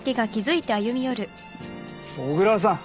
小椋さん。